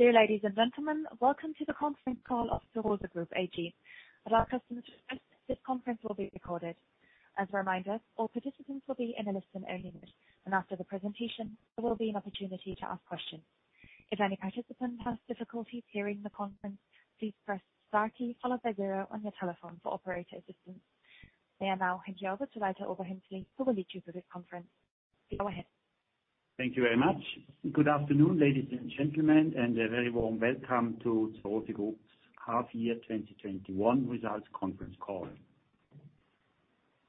Dear ladies and gentlemen, welcome to the Conference Call of Zur Rose Group AG. At our customers' request, this conference will be recorded. As a reminder, all participants will be in a listen-only mode, and after the presentation, there will be an opportunity to ask questions. If any participant has difficulty hearing the conference, please press star key followed by zero on your telephone for operator assistance. I now hand you over to Walter Oberhänsli, who will lead you through this conference. Go ahead. Thank you very much. Good afternoon, ladies and gentlemen, and a very warm welcome to Zur Rose Group's Half Year 2021 Results Conference Call.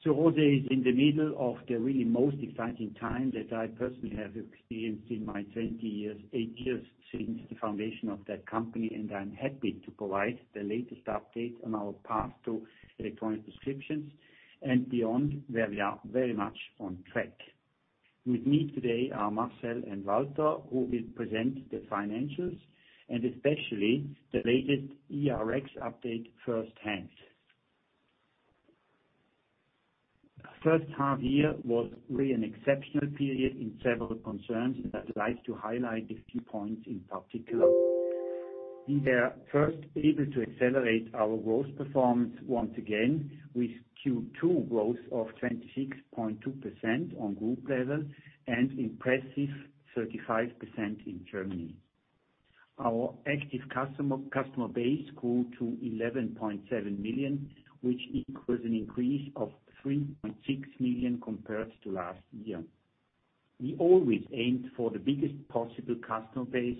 Zur Rose is in the middle of the really most exciting time that I personally have experienced in my 28 years since the foundation of that company, and I'm happy to provide the latest update on our path to electronic prescriptions and beyond, where we are very much on track. With me today are Marcel and Walter, who will present the financials and especially the latest eRx update firsthand. First half year was really an exceptional period in several concerns, and I'd like to highlight a few points in particular. We were first able to accelerate our growth performance once again with Q2 growth of 26.2% on group level and impressive 35% in Germany. Our active customer base grew to 11.7 million, which equals an increase of 3.6 million compared to last year. We always aimed for the biggest possible customer base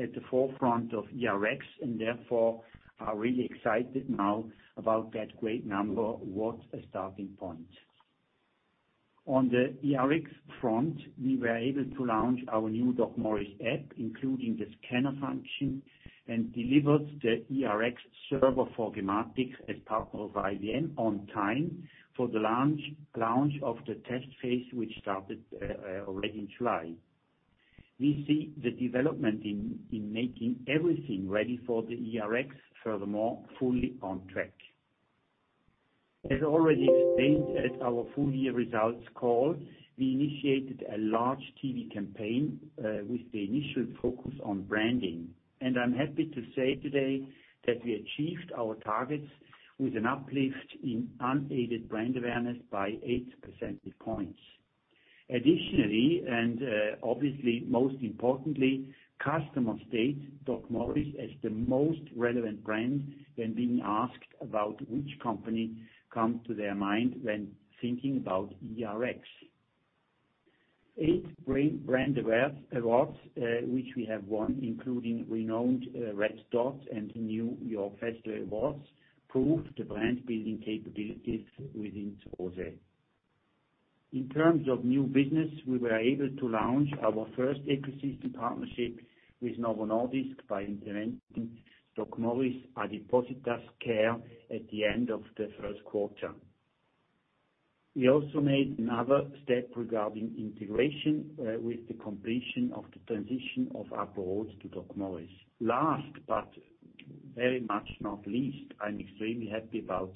at the forefront of eRx, therefore are really excited now about that great number, what a starting point. On the eRx front, we were able to launch our new DocMorris app, including the scanner function, and delivered the eRx server for gematik as part of IBM on time for the launch of the test phase, which started already in July. We see the development in making everything ready for the eRx, furthermore, fully on track. As already explained at our full year results call, we initiated a large TV campaign with the initial focus on branding. I'm happy to say today that we achieved our targets with an uplift in unaided brand awareness by eight percentage points. Additionally, and obviously most importantly, customer state, DocMorris is the most relevant brand when being asked about which company come to their mind when thinking about eRx. Eight brand awards which we have won, including renowned Red Dot and New York Festivals, proved the brand building capabilities within Zur Rose. In terms of new business, we were able to launch our first ecosystem partnership with Novo Nordisk by implementing DocMorris Adipositas Care at the end of the first quarter. We also made another step regarding integration with the completion of the transition of apo-rot to DocMorris. Last, but very much not least, I'm extremely happy about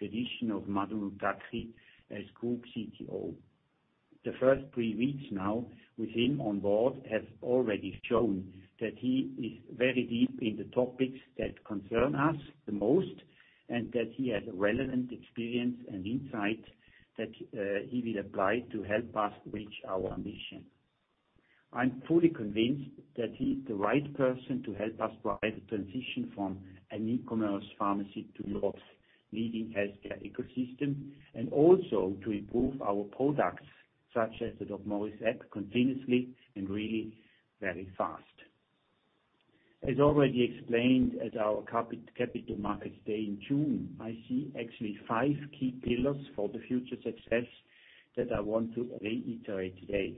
the addition of Madhu Nutakki as Group CTO. The first three weeks now with him on board have already shown that he is very deep in the topics that concern us the most, and that he has relevant experience and insight that he will apply to help us reach our ambition. I'm fully convinced that he is the right person to help us provide the transition from an e-commerce pharmacy to Europe's leading healthcare ecosystem, and also to improve our products such as the DocMorris app continuously and really very fast. As already explained at our Capital Markets Day in June, I see actually five key pillars for the future success that I want to reiterate today.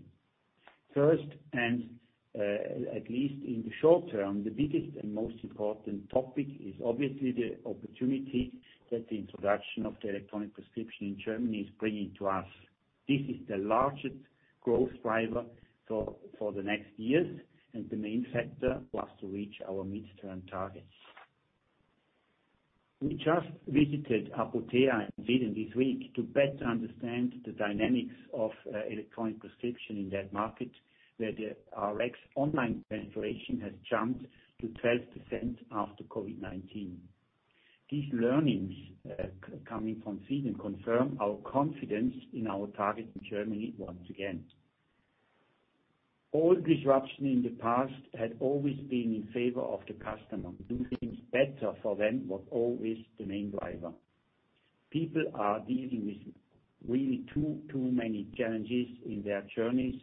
First, and at least in the short term, the biggest and most important topic is obviously the opportunity that the introduction of the electronic prescription in Germany is bringing to us. This is the largest growth driver for the next years and the main factor for us to reach our midterm targets. We just visited Apotea in Sweden this week to better understand the dynamics of electronic prescription in that market, where the eRx online penetration has jumped to 12% after COVID-19. These learnings coming from Sweden confirm our confidence in our target in Germany once again. All disruption in the past had always been in favor of the customer. To do things better for them was always the main driver. People are dealing with really too many challenges in their journeys,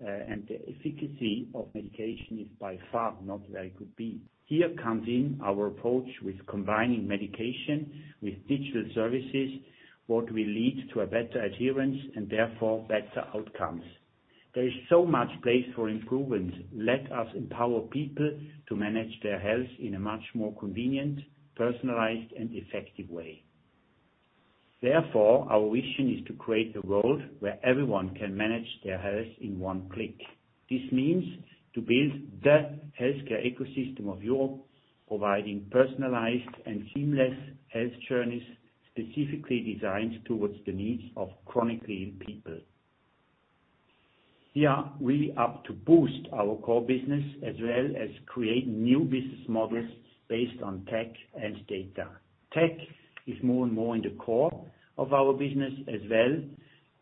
and the efficacy of medication is by far not where it could be. Here comes in our approach with combining medication with digital services, what will lead to a better adherence and therefore better outcomes. There is so much place for improvement. Let us empower people to manage their health in a much more convenient, personalized, and effective way. Our vision is to create a world where everyone can manage their health in one click. This means to build the healthcare ecosystem of Europe, providing personalized and seamless health journeys specifically designed towards the needs of chronically ill people. We are really up to boost our core business as well as create new business models based on tech and data. Tech is more and more in the core of our business, as well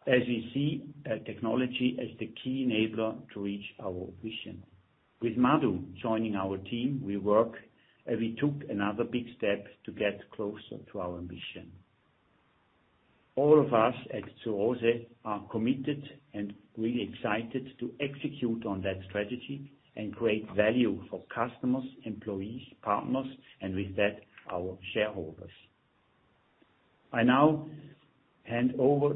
as we see technology as the key enabler to reach our vision. With Madhu joining our team, we took another big step to get closer to our mission. All of us at Zur Rose are committed and really excited to execute on that strategy and create value for customers, employees, partners, and with that, our shareholders. I now hand over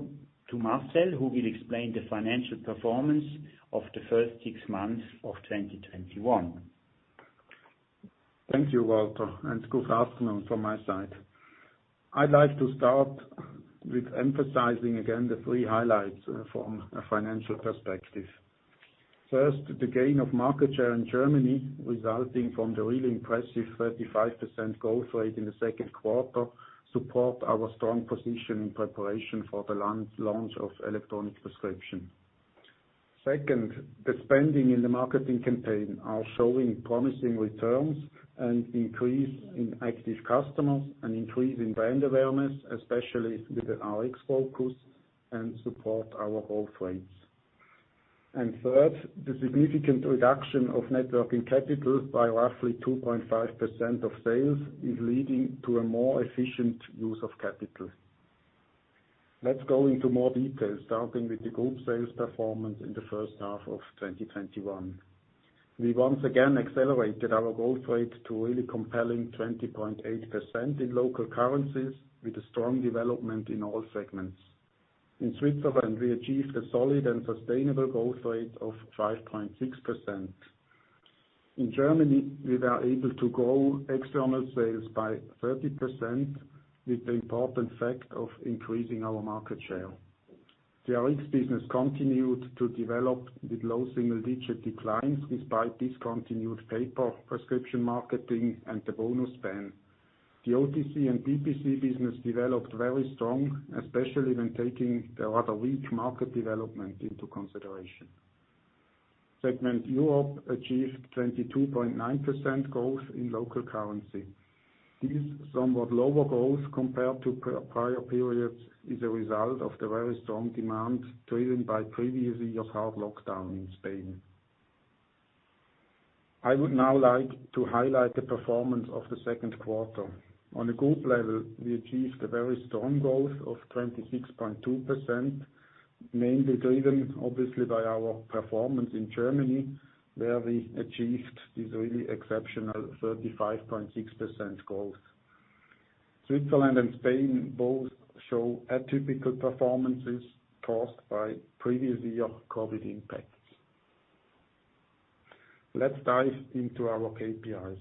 to Marcel, who will explain the financial performance of the first six months of 2021. Thank you, Walter. Good afternoon from my side. I'd like to start with emphasizing again the three highlights from a financial perspective. First, the gain of market share in Germany, resulting from the really impressive 35% growth rate in the second quarter, support our strong position in preparation for the launch of electronic prescription. Second, the spending in the marketing campaign are showing promising returns, increase in active customers and increase in brand awareness, especially with the Rx focus, support our growth rates. Third, the significant reduction of net working capital by roughly 2.5% of sales is leading to a more efficient use of capital. Let's go into more details, starting with the group sales performance in the first half of 2021. We once again accelerated our growth rate to a really compelling 20.8% in local currencies, with a strong development in all segments. In Switzerland, we achieved a solid and sustainable growth rate of 5.6%. In Germany, we were able to grow external sales by 30%, with the important fact of increasing our market share. The Rx business continued to develop with low single-digit declines, despite discontinued paper prescription marketing and the bonus ban. The OTC and BPC business developed very strong, especially when taking the rather weak market development into consideration. Segment Europe achieved 22.9% growth in local currency. This somewhat lower growth compared to prior periods is a result of the very strong demand driven by the previous year's hard lockdown in Spain. I would now like to highlight the performance of the second quarter. On a group level, we achieved a very strong growth of 26.2%, mainly driven obviously by our performance in Germany, where we achieved this really exceptional 35.6% growth. Switzerland and Spain both show atypical performances caused by the previous year's COVID impacts. Let's dive into our KPIs.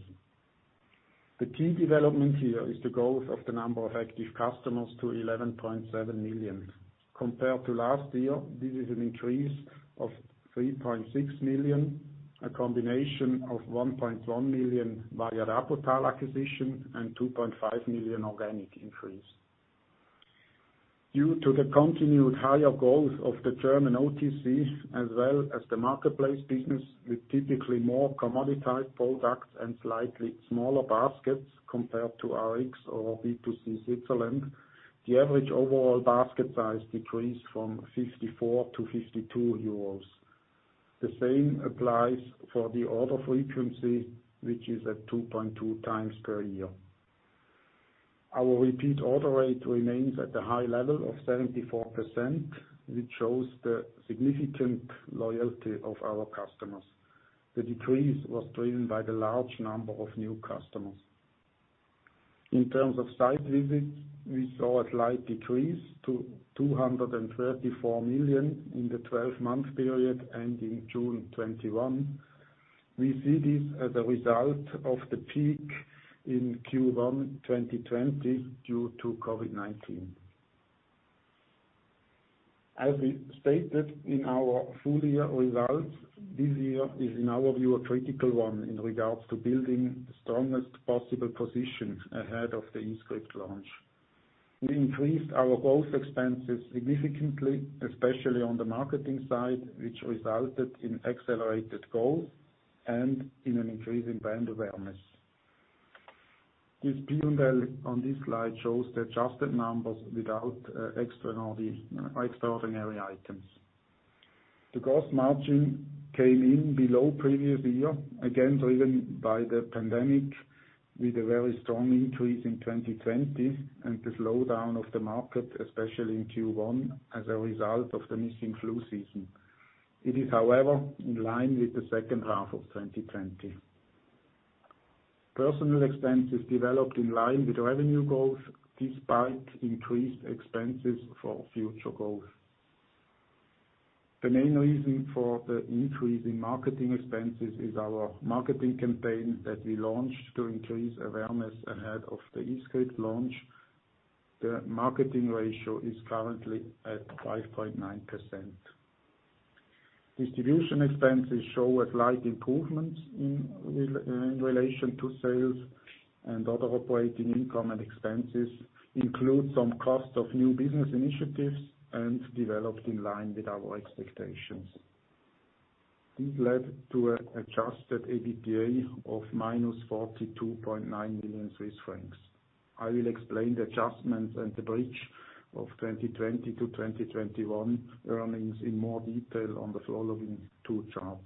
The key development here is the growth of the number of active customers to 11.7 million. Compared to last year, this is an increase of 3.6 million, a combination of 1.1 million via Apotal acquisition and 2.5 million organic increase. Due to the continued higher growth of the German OTC, as well as the marketplace business with typically more commoditized products and slightly smaller baskets compared to Rx or B2C Switzerland, the average overall basket size decreased from 54 to 52 euros. The same applies for the order frequency, which is at 2.2 times per year. Our repeat order rate remains at the high level of 74%, which shows the significant loyalty of our customers. The decrease was driven by the large number of new customers. In terms of site visits, we saw a slight decrease to 234 million in the 12-month period ending June 2021. We see this as a result of the peak in Q1 2020 due to COVID-19. As we stated in our full year results, this year is in our view, a critical one in regards to building the strongest possible position ahead of the e-script launch. We increased our growth expenses significantly, especially on the marketing side, which resulted in accelerated growth and in an increase in brand awareness. This P&L on this slide shows the adjusted numbers without extraordinary items. The gross margin came in below the previous year, again, driven by the pandemic with a very strong increase in 2020 and the slowdown of the market, especially in Q1, as a result of the missing flu season. It is, however, in line with the second half of 2020. Personnel expenses developed in line with revenue growth, despite increased expenses for future growth. The main reason for the increase in marketing expenses is our marketing campaign that we launched to increase awareness ahead of the e-script launch. The marketing ratio is currently at 5.9%. Distribution expenses show a slight improvement in relation to sales. Other operating income and expenses include some cost of new business initiatives and developed in line with our expectations. This led to an adjusted EBITDA of minus 42.9 million Swiss francs. I will explain the adjustments and the bridge of 2020 to 2021 earnings in more detail on the following two charts.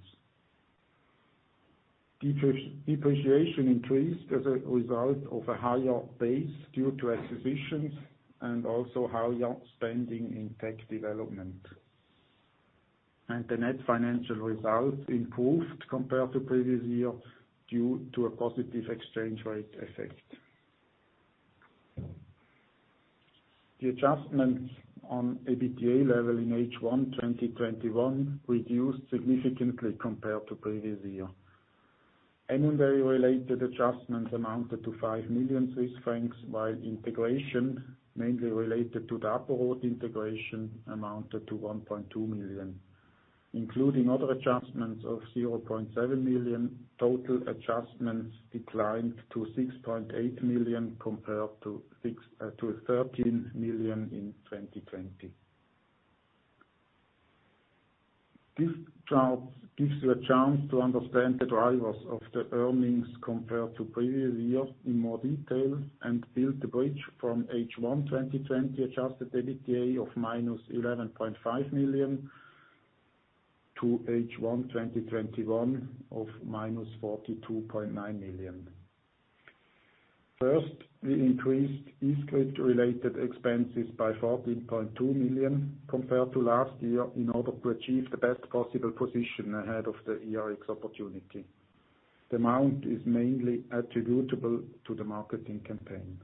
Depreciation increased as a result of a higher base due to acquisitions, also higher spending in tech development. The net financial results improved compared to previous year, due to a positive exchange rate effect. The adjustments on EBITDA level in H1 2021 reduced significantly compared to previous year. M&A-related adjustments amounted to 5 million Swiss francs, while integration, mainly related to the apo-rot integration, amounted to 1.2 million. Including other adjustments of 0.7 million, total adjustments declined to 6.8 million compared to 13 million in 2020. This chart gives you a chance to understand the drivers of the earnings compared to previous years in more detail, and build the bridge from H1 2020 adjusted EBITDA of minus 11.5 million to H1 2021 of minus 42.9 million. We increased e-script-related expenses by 14.2 million compared to last year in order to achieve the best possible position ahead of the eRx opportunity. The amount is mainly attributable to the marketing campaign.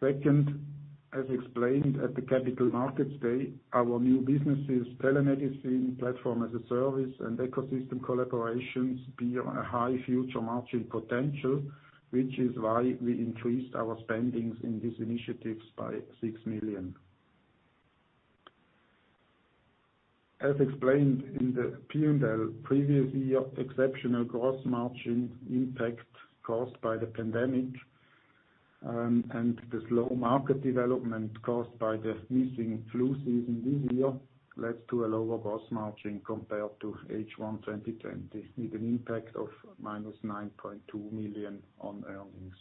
Second, as explained at the Capital Markets Day, our new businesses, telemedicine platform as a service and ecosystem collaborations, bear a high future margin potential, which is why we increased our spendings in these initiatives by 6 million. As explained in the P&L, previous year exceptional gross margin impact caused by the pandemic, and the slow market development caused by the missing flu season this year, led to a lower gross margin compared to H1 2020, with an impact of minus 9.2 million on earnings.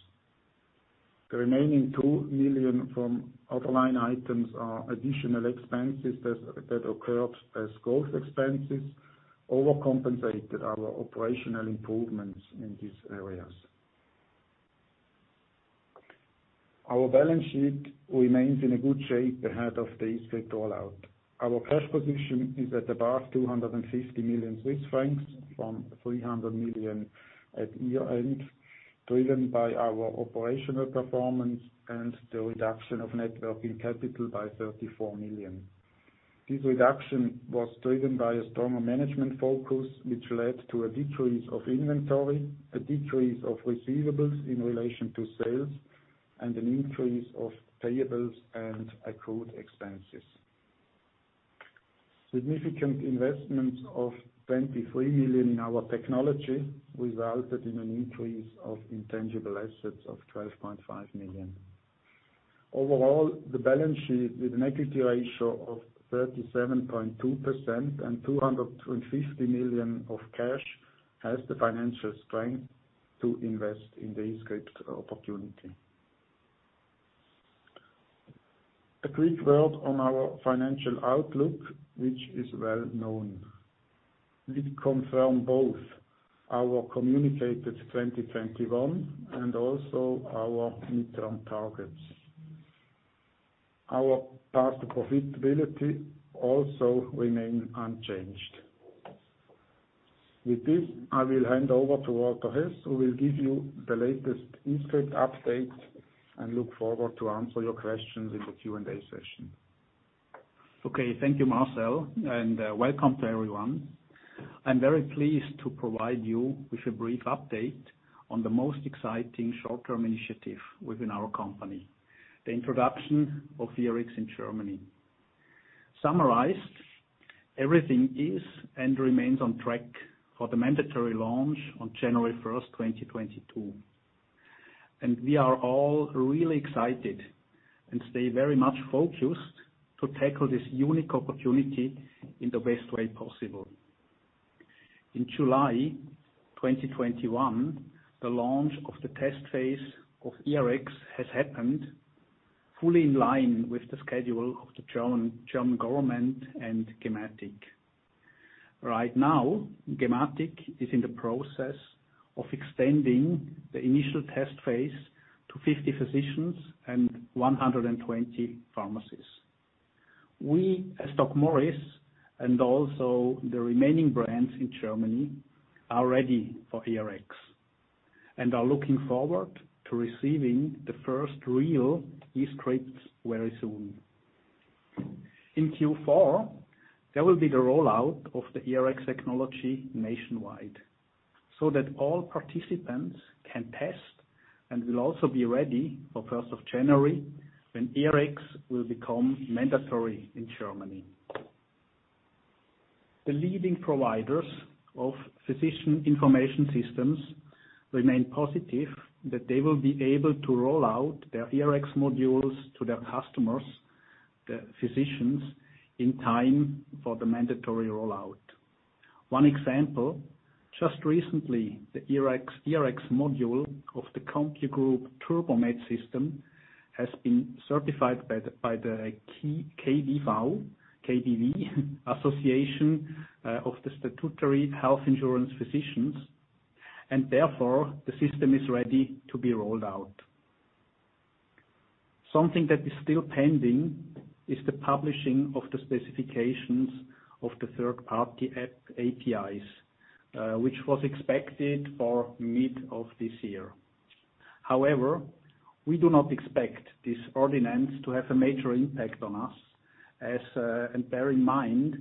The remaining 2 million from other line items are additional expenses that occurred as growth expenses overcompensated our operational improvements in these areas. Our balance sheet remains in a good shape ahead of the e-script rollout. Our cash position is at above 250 million Swiss francs from 300 million at year-end, driven by our operational performance and the reduction of net working capital by 34 million. This reduction was driven by a stronger management focus, which led to a decrease of inventory, a decrease of receivables in relation to sales, and an increase of payables and accrued expenses. Significant investments of 23 million in our technology resulted in an increase of intangible assets of 12.5 million. Overall, the balance sheet with an equity ratio of 37.2% and 250 million of cash, has the financial strength to invest in the e-script opportunity. A brief word on our financial outlook, which is well-known. We confirm both our communicated 2021 and also our interim targets. Our path to profitability also remain unchanged. With this, I will hand over to Walter Hess, who will give you the latest e-script update and look forward to answer your questions in the Q&A session. Thank you, Marcel, and welcome to everyone. I'm very pleased to provide you with a brief update on the most exciting short-term initiative within our company, the introduction of eRx in Germany. Summarized, everything is and remains on track for the mandatory launch on January 1st, 2022. We are all really excited and stay very much focused to tackle this unique opportunity in the best way possible. In July 2021, the launch of the test phase of eRx has happened fully in line with the schedule of the German government and gematik. Right now, gematik is in the process of extending the initial test phase to 50 physicians and 120 pharmacies. We as DocMorris, and also the remaining brands in Germany, are ready for eRx, and are looking forward to receiving the first real e-scripts very soon. In Q4, there will be the rollout of the eRx technology nationwide. All participants can test and will also be ready for January 1st, when eRx will become mandatory in Germany. The leading providers of physician information systems remain positive that they will be able to roll out their eRx modules to their customers, the physicians, in time for the mandatory rollout. One example, just recently, the eRx module of the CompuGroup Medical TURBOMED system has been certified by the Kassenärztliche Bundesvereinigung, and therefore the system is ready to be rolled out. Something that is still pending is the publishing of the specifications of the third-party APIs, which was expected for mid of this year. We do not expect this ordinance to have a major impact on us, bear in mind,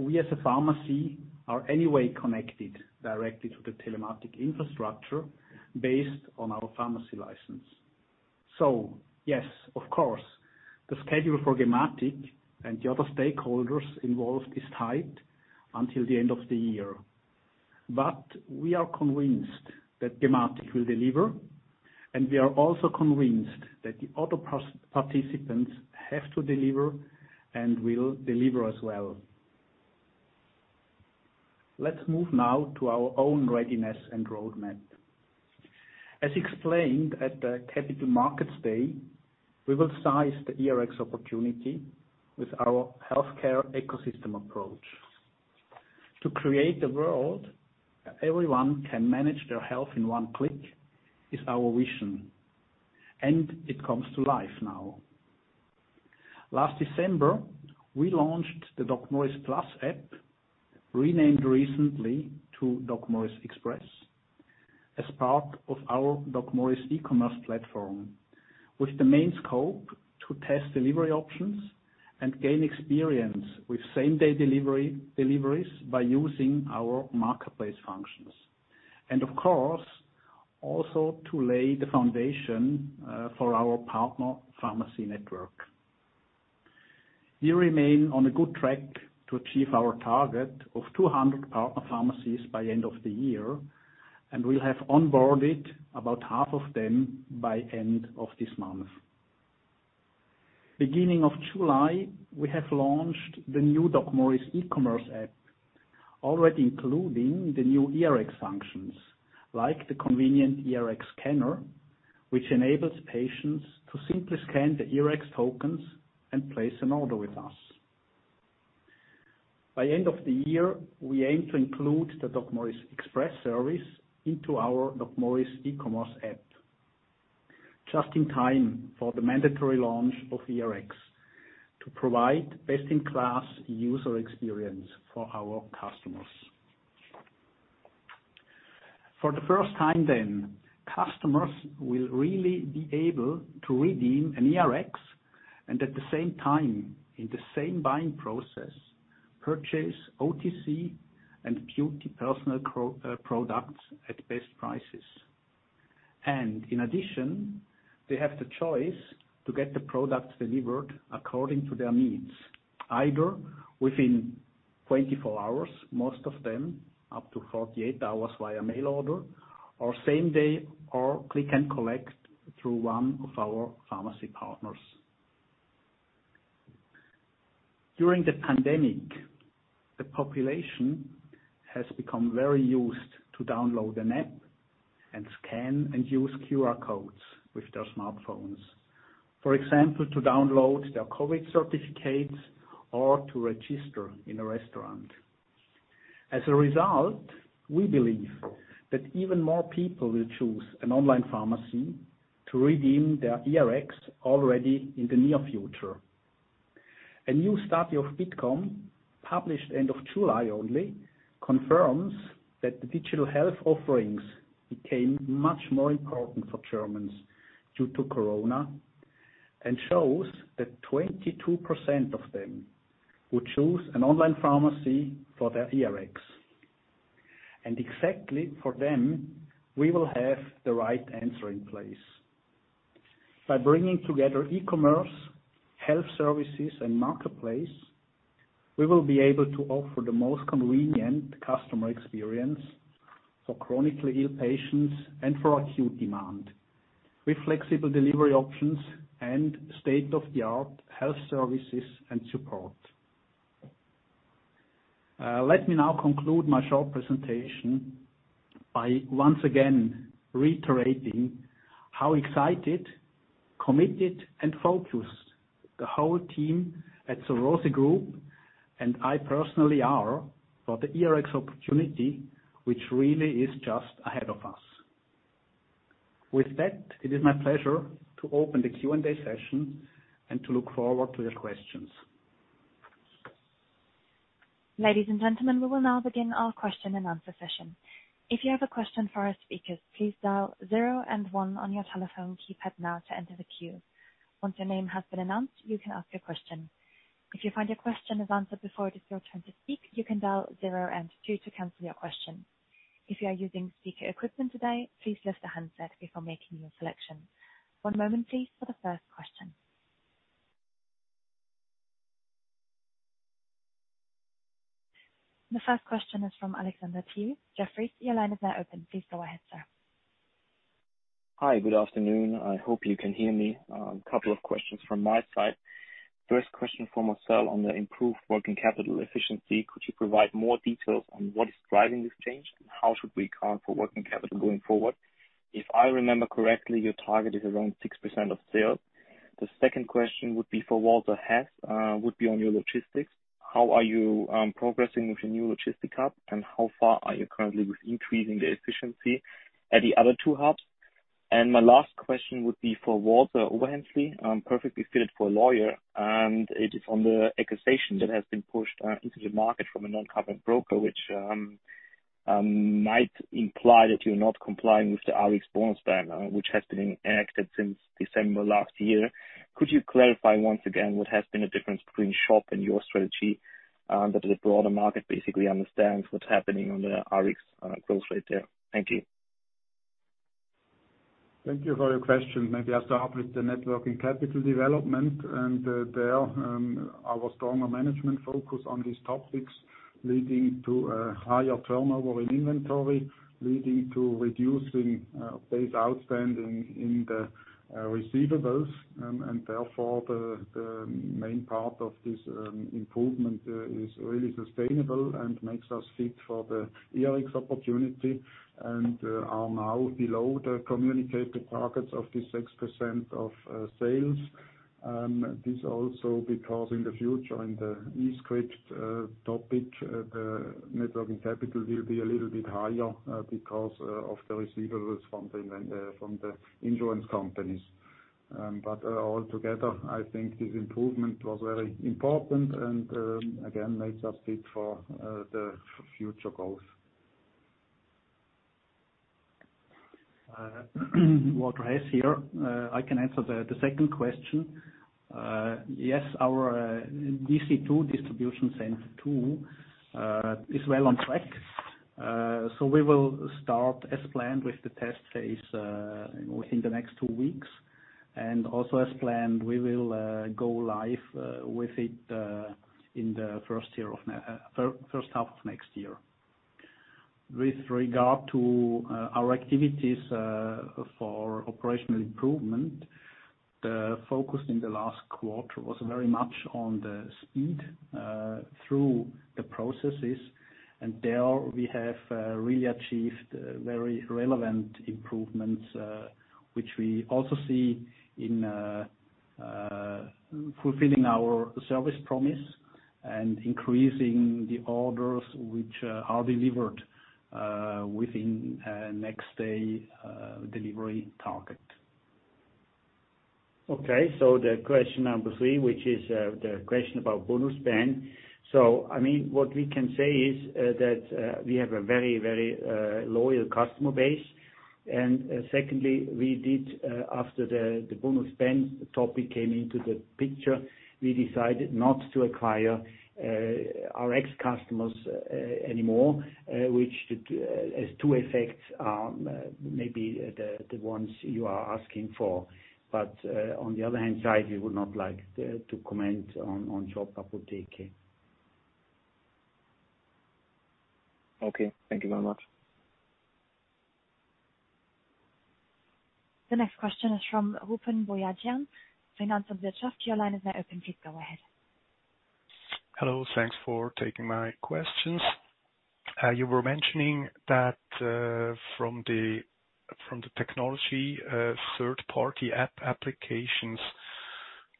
we as a pharmacy are anyway connected directly to the telematics infrastructure based on our pharmacy license. Yes, of course, the schedule for gematik and the other stakeholders involved is tight until the end of the year. We are convinced that gematik will deliver, we are also convinced that the other participants have to deliver and will deliver as well. Let's move now to our own readiness and roadmap. As explained at the Capital Markets Day, we will size the eRx opportunity with our healthcare ecosystem approach. To create a world that everyone can manage their health in one click is our vision, it comes to life now. Last December, we launched the DocMorris Plus app, renamed recently to DocMorris Express, as part of our DocMorris e-commerce platform, with the main scope to test delivery options and gain experience with same-day deliveries by using our marketplace functions. Of course, also to lay the foundation for our partner pharmacy network. We remain on a good track to achieve our target of 200 partner pharmacies by end of the year, and we'll have onboarded about half of them by end of this month. Beginning of July, we have launched the new DocMorris app, already including the new eRx functions, like the convenient eRx scanner, which enables patients to simply scan the eRx tokens and place an order with us. By end of the year, we aim to include the DocMorris Express service into our DocMorris e-commerce app, just in time for the mandatory launch of eRx to provide best-in-class user experience for our customers. For the first time then, customers will really be able to redeem an eRx and at the same time, in the same buying process, purchase OTC and beauty personal products at best prices. In addition, they have the choice to get the products delivered according to their needs, either within 24 hours, most of them up to 48 hours via mail order, or same day or click and collect through one of our pharmacy partners. During the pandemic, the population has become very used to download an app and scan and use QR codes with their smartphones. For example, to download their COVID certificates or to register in a restaurant. As a result, we believe that even more people will choose an online pharmacy to redeem their eRx already in the near future. A new study of Bitkom, published end of July only, confirms that the digital health offerings became much more important for Germans due to corona and shows that 22% of them would choose an online pharmacy for their eRx. Exactly for them, we will have the right answer in place. By bringing together e-commerce, health services, and marketplace, we will be able to offer the most convenient customer experience for chronically ill patients and for acute demand, with flexible delivery options and state-of-the-art health services and support. Let me now conclude my short presentation by once again reiterating how excited, committed, and focused the whole team at Zur Rose Group, and I personally are for the eRx opportunity, which really is just ahead of us. With that, it is my pleasure to open the Q&A session and to look forward to your questions. Ladies and gentlemen, we will now begin our question and answer session. If you have a question for our speakers, please dial zero and one on your telephone keypad now to enter the queue. Once your name has been announced, you can ask your question. If you find your question is answered before it is your turn to speak, you can dial zero and two to cancel your question. If you are using speaker equipment today, please lift the handset before making your selection. One moment please, for the first question. The first question is from Alexander Thiel, Jefferies. Your line is now open. Please go ahead, sir. Hi, good afternoon. I hope you can hear me. A couple of questions from my side. First question for Marcel on the improved working capital efficiency. Could you provide more details on what is driving this change, and how should we account for working capital going forward? If I remember correctly, your target is around 6% of sales. The second question for Walter Hess would be on your logistics. How are you progressing with your new logistic hub, and how far are you currently with increasing the efficiency at the other two hubs? My last question would be for Walter Oberhänsli, perfectly fitted for a lawyer, and it is on the accusation that has been pushed into the market from a non-covered broker, which might imply that you're not complying with the Rx bonus ban, which has been enacted since December last year. Could you clarify once again what has been the difference between Shop and your strategy, that the broader market basically understands what's happening on the Rx growth rate there? Thank you. Thank you for your question. Maybe I'll start with the net working capital development. There, our stronger management focus on these topics leading to a higher turnover in inventory, leading to reducing days outstanding in the receivables. Therefore, the main part of this improvement is really sustainable and makes us fit for the Rx opportunity, and are now below the communicated targets of this 6% of sales. This also because in the future, in the e-script topic, the net working capital will be a little bit higher, because of the receivables from the insurance companies. Altogether, I think this improvement was very important and, again, makes us fit for the future goals. Walter Hess here. I can answer the second question. Yes, our DC2, distribution center two, is well on track. We will start as planned with the test phase within the next two weeks. Also as planned, we will go live with it in the first half of next year. With regard to our activities for operational improvement, the focus in the last quarter was very much on the speed through the processes. There we have really achieved very relevant improvements, which we also see in fulfilling our service promise and increasing the orders which are delivered within next day delivery target. Okay. The question number three, which is the question about bonus ban. What we can say is that we have a very loyal customer base. Secondly, we did, after the bonus ban topic came into the picture, we decided not to acquire Rx customers anymore, which has two effects. Maybe the ones you are asking for. On the other hand side, we would not like to comment on Shop Apotheke. Okay. Thank you very much. The next question is from Rupen Boyadjian, Finanz und Wirtschaft. Your line is now open. Please go ahead. Hello. Thanks for taking my questions. You were mentioning that from the technology, third-party app applications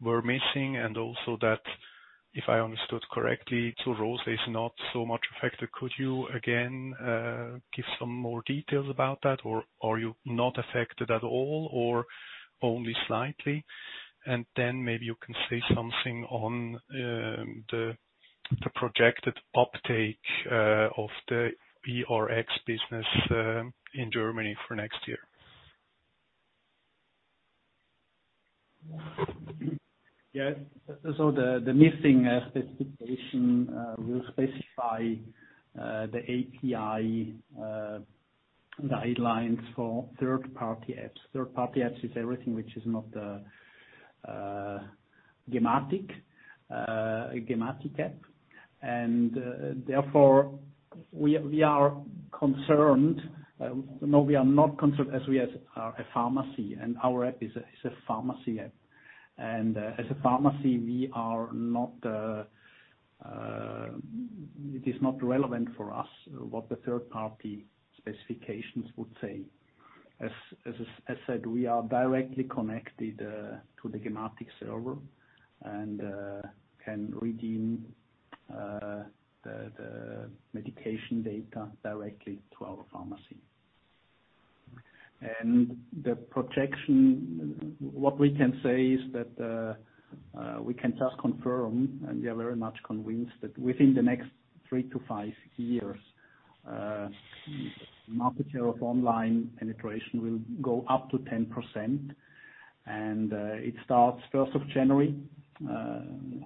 were missing, and also that, if I understood correctly, Zur Rose is not so much affected. Could you, again, give some more details about that? Are you not affected at all, or only slightly? Then maybe you can say something on the projected uptake of the Rx business in Germany for next year. The missing specification will specify the API guidelines for third party apps. Third party apps is everything which is not a gematik app. Therefore, we are not concerned as we are a pharmacy, and our app is a pharmacy app. As a pharmacy, it is not relevant for us what the third party specifications would say. As said, we are directly connected to the gematik server and can redeem the medication data directly to our pharmacy. The projection, what we can say is that we can just confirm, and we are very much convinced that within the next three to five years. Market share of online penetration will go up to 10%, and it starts January 1st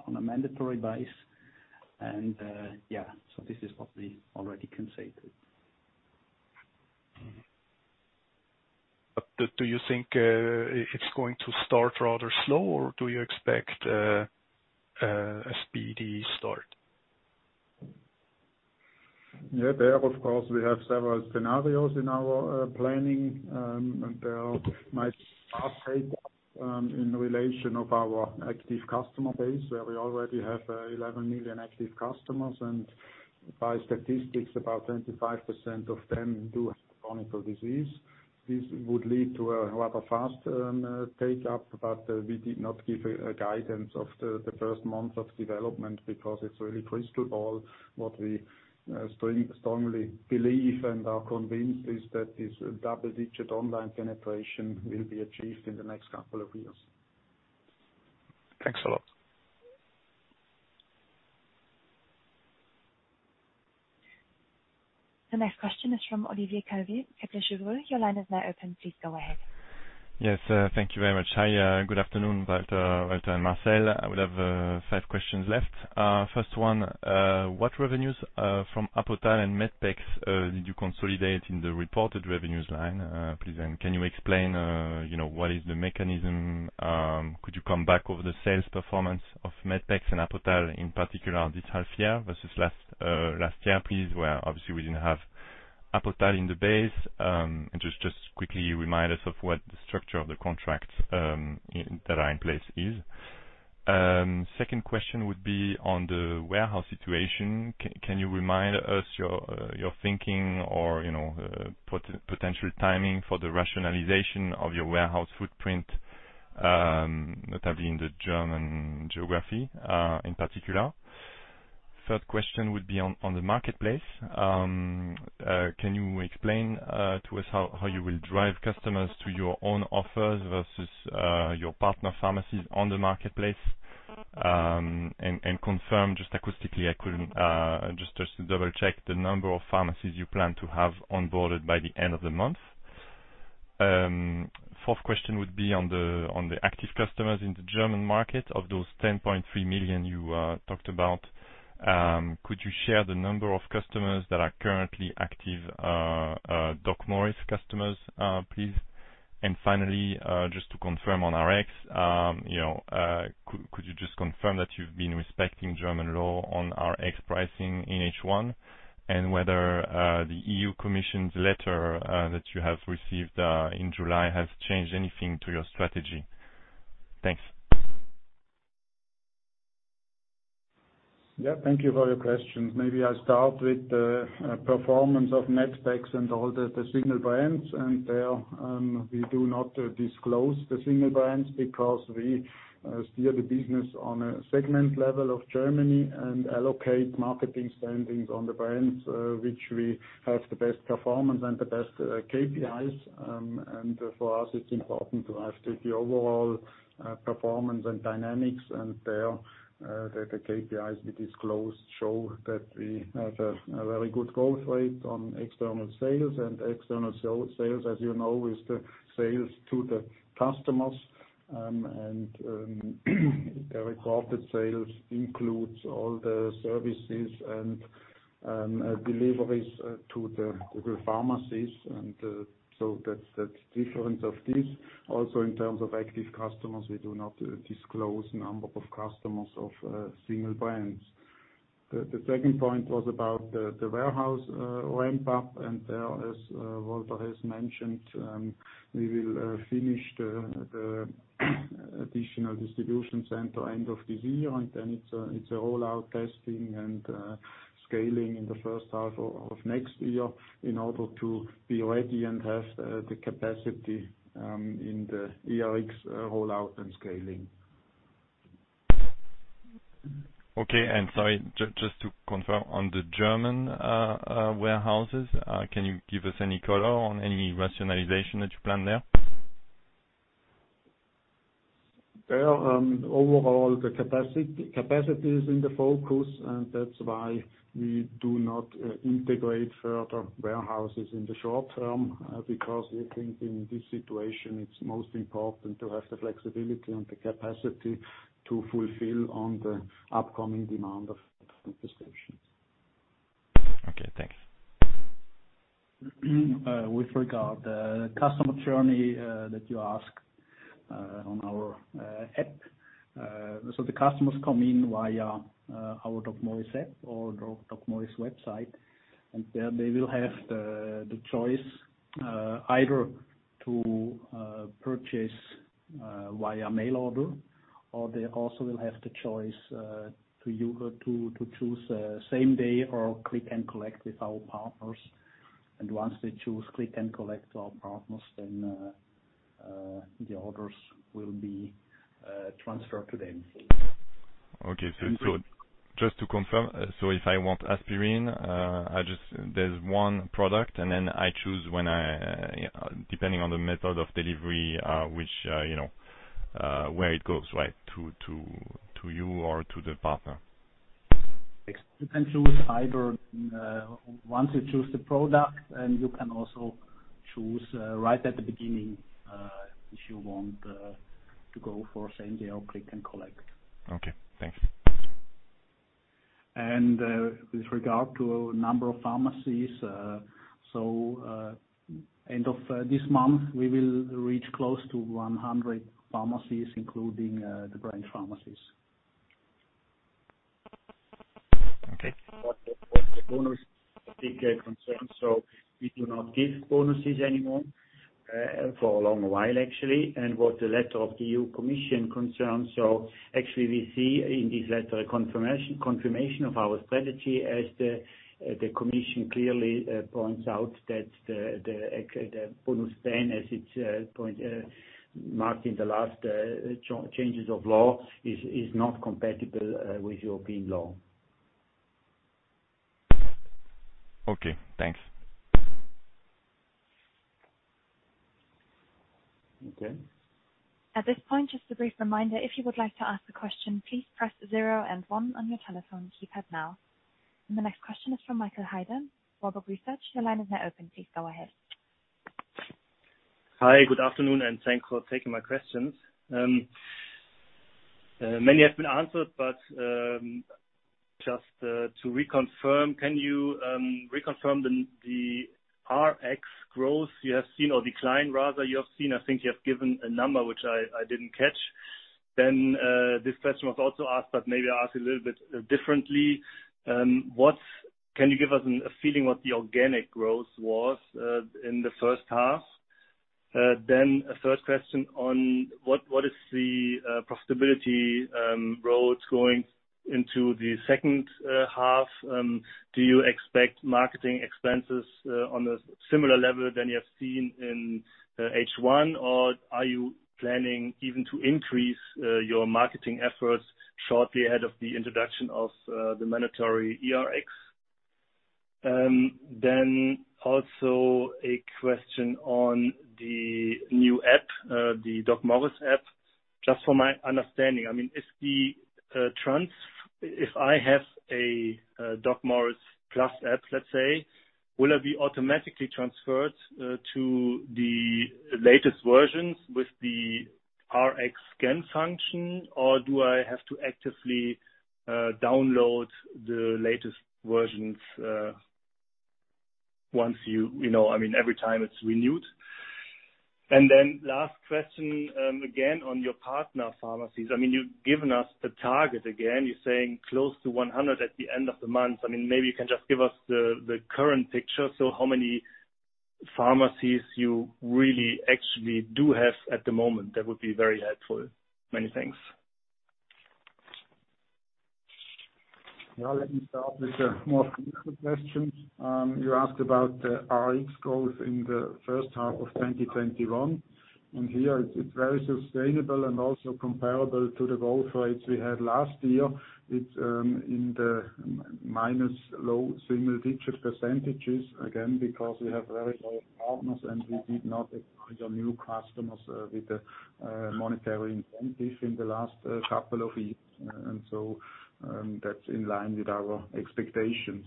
on a mandatory base. This is what we already can say. Do you think it's going to start rather slow, or do you expect a speedy start? Yeah, there, of course, we have several scenarios in our planning. There might be a fast take-up in relation of our active customer base, where we already have 11 million active customers, and by statistics, about 25% of them do have a chronic disease. This would lead to a rather fast take-up. We did not give a guidance of the first month of development because it's really crystal ball. What we strongly believe and are convinced is that this double-digit online penetration will be achieved in the next couple of years. Thanks a lot. The next question is from Olivier Colli, Credit Suisse. Your line is now open. Please go ahead. Yes. Thank you very much. Hi, good afternoon, Walter and Marcel. I would have five questions left. First one, what revenues from Apotal and medpex did you consolidate in the reported revenues line, please? Can you explain what is the mechanism? Could you come back over the sales performance of medpex and Apotal, in particular this half-year versus last year, please, where obviously we didn't have Apotal in the base. Just quickly remind us of what the structure of the contracts that are in place is. Second question would be on the warehouse situation. Can you remind us your thinking or potential timing for the rationalization of your warehouse footprint, notably in the German geography, in particular? Third question would be on the marketplace. Can you explain to us how you will drive customers to your own offers versus your partner pharmacies on the marketplace? Confirm, just acoustically, just to double-check the number of pharmacies you plan to have onboarded by the end of the month. Fourth question would be on the active customers in the German market. Of those 10.3 million you talked about, could you share the number of customers that are currently active DocMorris customers, please? Finally, just to confirm on Rx, could you just confirm that you've been respecting German law on Rx pricing in H1? Whether the European Commission's letter that you have received in July has changed anything to your strategy. Thanks. Yeah, thank you for your questions. Maybe I start with the performance of medpex and all the single brands. There, we do not disclose the single brands because we steer the business on a segment level of Germany and allocate marketing spendings on the brands which we have the best performance and the best KPIs. For us, it's important to have the overall performance and dynamics. There, the KPIs we disclosed show that we have a very good growth rate on external sales. External sales, as you know, is the sales to the customers. The recorded sales includes all the services and deliveries to the pharmacies. That's different of this. Also in terms of active customers, we do not disclose number of customers of single brands. The second point was about the warehouse ramp-up. There, as Walter has mentioned, we will finish the additional distribution center end of this year. Then it's a roll-out testing and scaling in the first half of next year in order to be ready and have the capacity in the eRx roll-out and scaling. Okay. Sorry, just to confirm on the German warehouses, can you give us any color on any rationalization that you plan there? Overall, the capacity is in the focus, that's why we do not integrate further warehouses in the short term. We think in this situation, it's most important to have the flexibility and the capacity to fulfill on the upcoming demand of prescriptions. Okay, thanks. With regard the customer journey that you ask on our app. The customers come in via our DocMorris app or DocMorris website, and there they will have the choice either to purchase via mail order, or they also will have the choice to choose same day or click and collect with our partners. Once they choose click and collect our partners, then the orders will be transferred to them. Okay. Just to confirm, so if I want aspirin, there's one product, and then I choose depending on the method of delivery, Where it goes, right, to you or to the partner? You can choose either. Once you choose the product, you can also choose right at the beginning, if you want to go for same-day or click and collect. Okay, thanks. With regard to number of pharmacies, end of this month, we will reach close to 100 pharmacies, including the branch pharmacies. Okay. What the bonus concern. We do not give bonuses anymore, for a long while, actually. What the letter of the European Commission concerns. Actually we see in this letter a confirmation of our strategy as the Commission clearly points out that the Bonus 10, as it marked in the last changes of law, is not compatible with European law. Okay, thanks. Okay. At this point, just a brief reminder, if you would like to ask a question, please press zero and one on your telephone keypad now. The next question is from Michael Heider, Warburg Research. Your line is now open. Please go ahead. Hi, good afternoon. Thanks for taking my questions. Many have been answered, but just to reconfirm, can you reconfirm the Rx growth you have seen or decline rather you have seen? I think you have given a number which I didn't catch. This question was also asked, but maybe I ask a little bit differently. Can you give us a feeling what the organic growth was in the first half? A third question on what is the profitability road going into the second half? Do you expect marketing expenses on a similar level than you have seen in H1 or are you planning even to increase your marketing efforts shortly ahead of the introduction of the mandatory eRx? Also a question on the new DocMorris app. Just for my understanding, if I have a DocMorris Plus app, let's say, will I be automatically transferred to the latest versions with the Rx scan function, or do I have to actively download the latest versions every time it's renewed? Then last question, again on your partner pharmacies. You've given us the target again, you're saying close to 100 at the end of the month. Maybe you can just give us the current picture. How many pharmacies you really actually do have at the moment? That would be very helpful. Many thanks. Let me start with the more difficult questions. You asked about the Rx growth in H1 2021, here it's very sustainable and also comparable to the growth rates we had last year. It's in the minus low single-digit percentages, again, because we have very loyal partners, we did not acquire new customers with a monetary incentive in the last couple of years. That's in line with our expectations.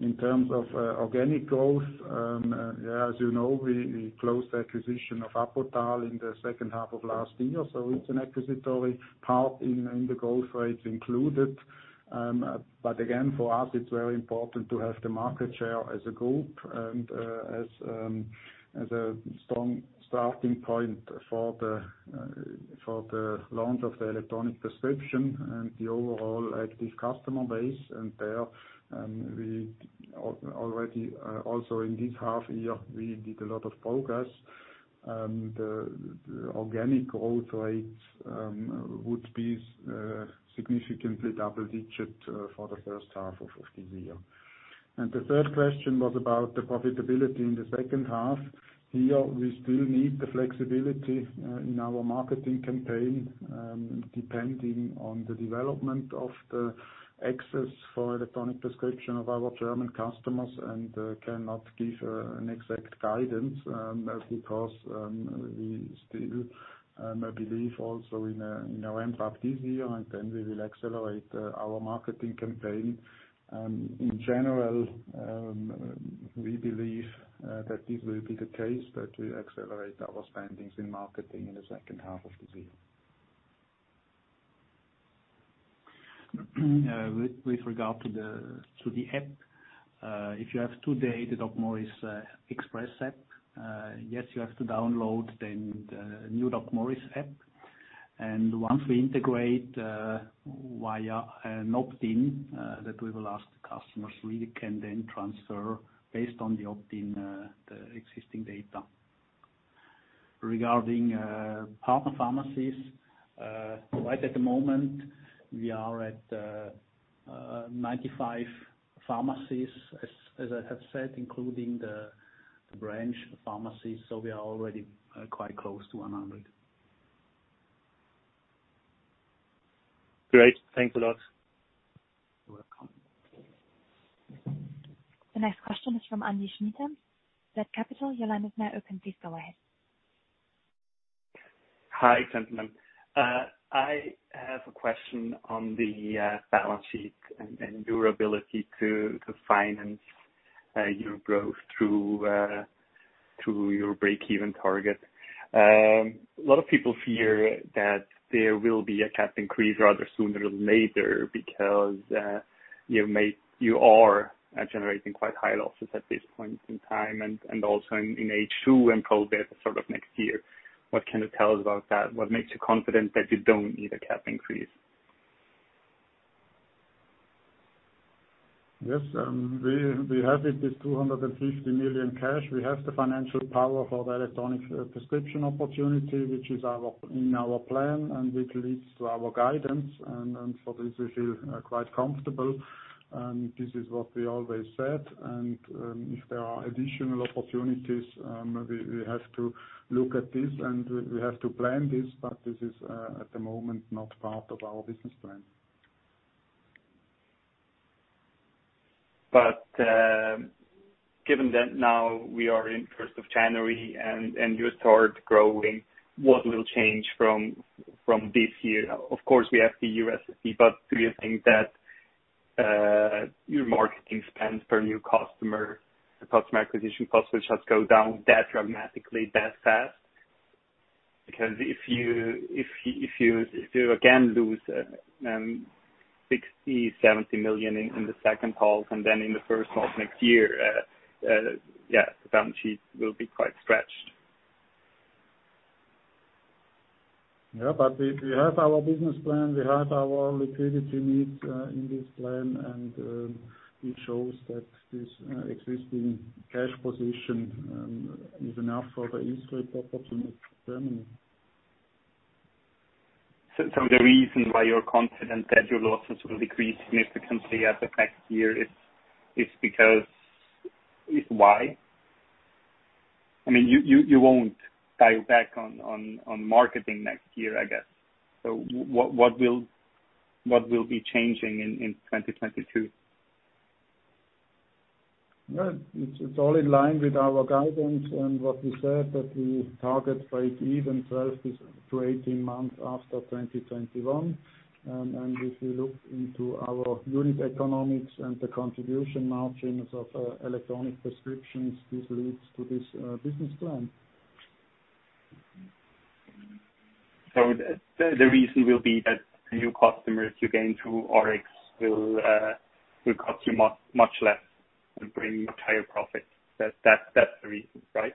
In terms of organic growth, as you know, we closed the acquisition of Apotal in the second half of last year, so it's an acquisitory part in the growth rates included. Again, for us, it's very important to have the market share as a group and as a strong starting point for the launch of the electronic prescription and the overall active customer base. There, we already also in this half-year, we did a lot of progress. The organic growth rates would be significantly double-digit for the first half of this year. The third question was about the profitability in the second half. Here, we still need the flexibility in our marketing campaign, depending on the development of the access for electronic prescription of our German customers and cannot give an exact guidance, because we still believe also in our ramp-up this year, and then we will accelerate our marketing campaign. In general, we believe that this will be the case, that we accelerate our spendings in marketing in the second half of the year. With regard to the app, if you have today the DocMorris Express app, yes, you have to download the new DocMorris app. Once we integrate via an opt-in that we will ask the customers, we can then transfer based on the opt-in, the existing data. Regarding partner pharmacies, right at the moment, we are at 95 pharmacies as I have said, including the branch pharmacies. We are already quite close to 100. Great. Thanks a lot. The next question is from [Andi Schmieding], Bank of America. Your line is now open. Please go ahead. Hi, gentlemen. I have a question on the balance sheet and your ability to finance your growth through your breakeven target. A lot of people fear that there will be a cap increase rather sooner than later because you are generating quite high losses at this point in time and also in H2 and COVID sort of next year. What can you tell us about that? What makes you confident that you don't need a cap increase? Yes, we have this 250 million cash. We have the financial power for the electronic prescription opportunity, which is in our plan and which leads to our guidance. For this we feel quite comfortable. This is what we always said. If there are additional opportunities, we have to look at this, and we have to plan this is at the moment not part of our business plan. Given that now we are in January 1st and you start growing, what will change from this year? Of course, we have the USP, do you think that your marketing spend per new customer, the customer acquisition cost will just go down that dramatically that fast? If you again lose 60 million-70 million in the second half and then in the first half next year, the balance sheet will be quite stretched. Yeah. We have our business plan, we have our liquidity needs in this plan and it shows that this existing cash position is enough for the 2024 opportunity. The reason why you're confident that your losses will decrease significantly as of next year is why? You won't dial back on marketing next year, I guess. What will be changing in 2022? It's all in line with our guidance and what we said that we target break even 12-18 months after 2021. If we look into our unit economics and the contribution margins of electronic prescriptions, this leads to this business plan. The reason will be that the new customers you gain through Rx will cost you much less and bring higher profits. That's the reason, right?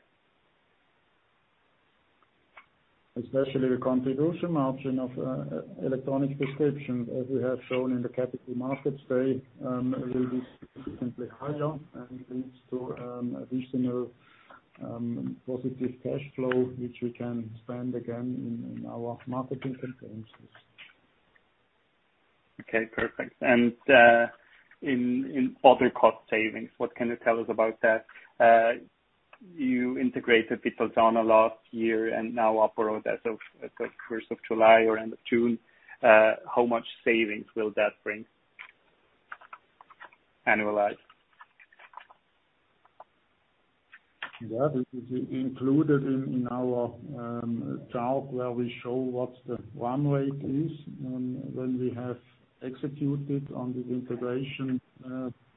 Especially the contribution margin of electronic prescriptions, as we have shown in the category markets, will be significantly higher and leads to additional positive cash flow, which we can spend again in our marketing campaigns. Okay, perfect. In other cost savings, what can you tell us about that? You integrated with Vitalsana last year and now apo-rot as of July 1st or end of June. How much savings will that bring annualized? That is included in our chart where we show what the run rate is when we have executed on these integration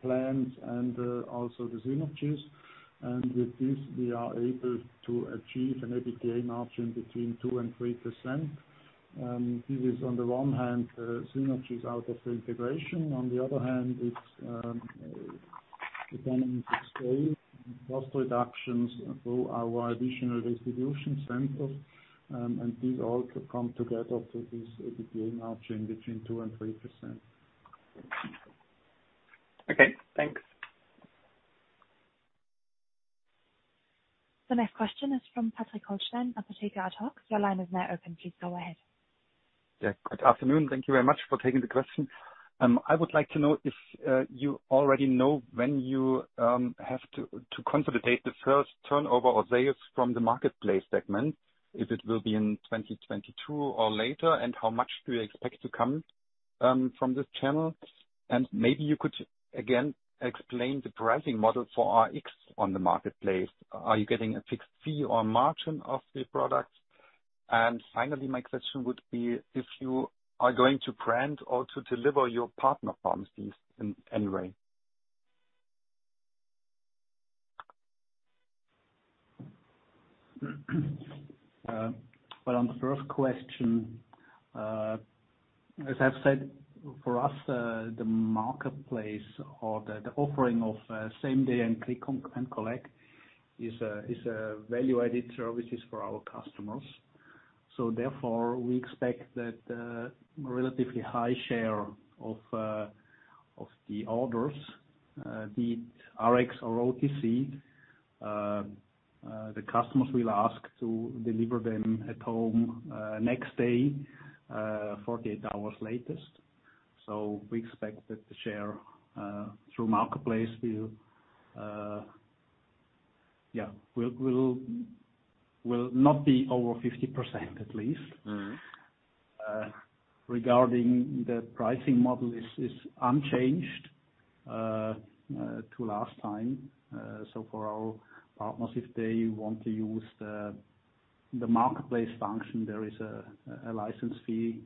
plans and also the synergies. With this we are able to achieve an EBITDA margin between 2% and 3%. This is on the one hand, synergies out of the integration. On the other hand, it's economies of scale and cost reductions through our additional distribution centers. These all come together to this EBITDA margin between 2% and 3%. Okay, thanks. The next question is from Patrick Holzden of Jefferies. Your line is now open. Please go ahead. Good afternoon. Thank you very much for taking the question. I would like to know if you already know when you have to consolidate the first turnover or sales from the marketplace segment, if it will be in 2022 or later, and how much do you expect to come from this channel? Maybe you could again explain the pricing model for Rx on the marketplace. Are you getting a fixed fee or margin of the product? Finally, my question would be if you are going to brand or to deliver your partner pharmacies in any way. On the first question, as I've said, for us, the marketplace or the offering of same day and click and collect is a value-added services for our customers. Therefore, we expect that a relatively high share of the orders, be it Rx or OTC, the customers will ask to deliver them at home next day, 48 hours latest. We expect that the share through marketplace will Yeah. Will not be over 50%, at least. Regarding the pricing model, it is unchanged to last time. For our partners, if they want to use the marketplace function, there is a license fee,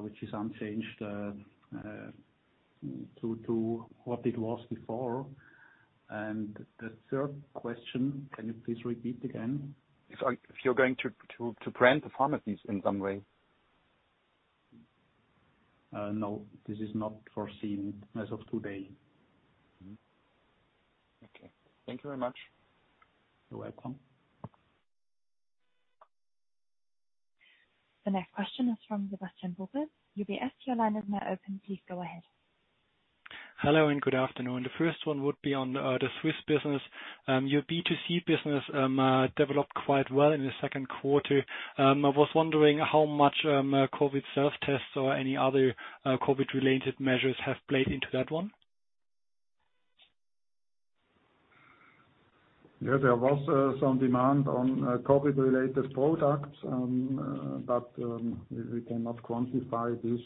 which is unchanged to what it was before. The third question, can you please repeat again? If you're going to brand the pharmacies in some way. No, this is not foreseen as of today. Okay. Thank you very much. You're welcome. The next question is from Sebastian Poppe, UBS. Your line is now open. Please go ahead. Hello, good afternoon. The first one would be on the Swiss business. Your B2C business developed quite well in the second quarter. I was wondering how much COVID self-tests or any other COVID-related measures have played into that one. Yeah, there was some demand on COVID-related products. We cannot quantify this.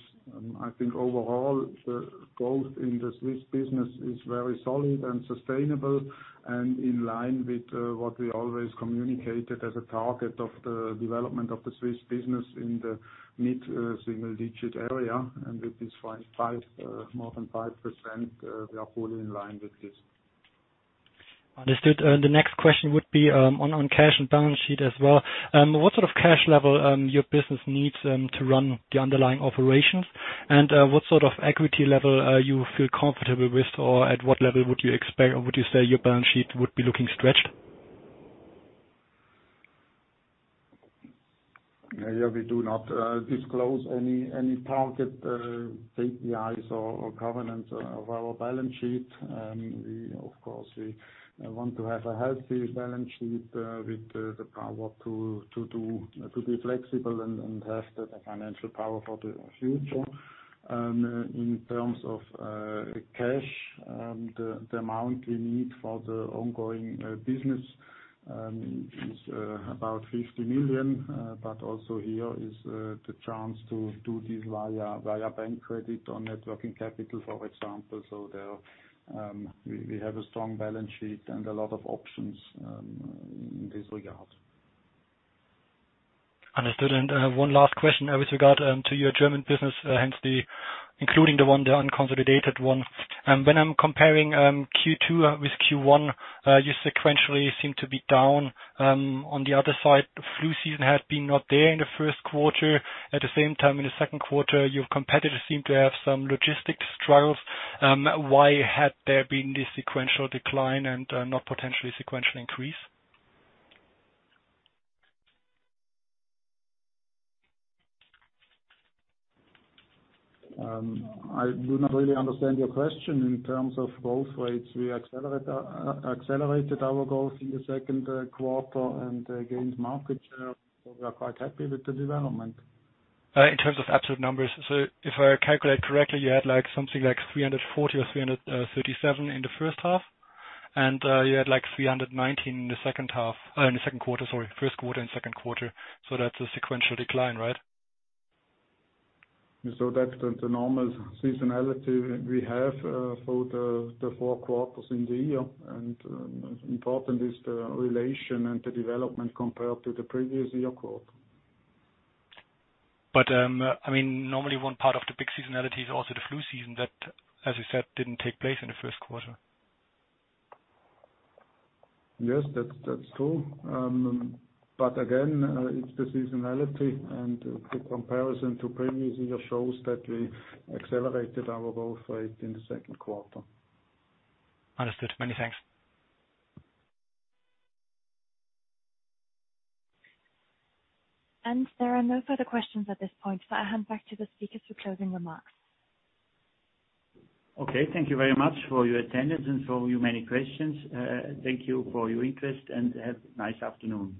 I think overall, the growth in the Swiss business is very solid and sustainable, and in line with what we always communicated as a target of the development of the Swiss business in the mid-single digit area. With this more than 5%, we are fully in line with this. Understood. The next question would be on cash and balance sheet as well. What sort of cash level your business needs to run the underlying operations, and what sort of equity level you feel comfortable with, or at what level would you say your balance sheet would be looking stretched? Yeah, we do not disclose any target KPIs or covenants of our balance sheet. Of course, we want to have a healthy balance sheet with the power to be flexible and have the financial power for the future. In terms of cash, the amount we need for the ongoing business is about 50 million. Also here is the chance to do this via bank credit or net working capital, for example. We have a strong balance sheet and a lot of options in this regard. Understood. I have one last question with regard to your German business, hence including the unconsolidated one. When I'm comparing Q2 with Q1, you sequentially seem to be down. On the other side, the flu season had been not there in the first quarter. At the same time, in the second quarter, your competitors seem to have some logistics trials. Why had there been this sequential decline and not potentially sequential increase? I do not really understand your question. In terms of growth rates, we accelerated our growth in the second quarter and gained market share. We are quite happy with the development. In terms of absolute numbers. If I calculate correctly, you had something like 340 or 337 in the first half, and you had 319 in the second quarter. Sorry, first quarter and second quarter. That's a sequential decline, right? That's the normal seasonality we have for the four quarters in the year, and important is the relation and the development compared to the previous year quarter. Normally one part of the big seasonality is also the flu season that, as you said, didn't take place in the first quarter. Yes, that's true. Again, it's the seasonality and the comparison to previous year shows that we accelerated our growth rate in the second quarter. Understood. Many thanks. There are no further questions at this point. I hand back to the speakers for closing remarks. Okay, thank you very much for your attendance and for your many questions. Thank you for your interest and have a nice afternoon.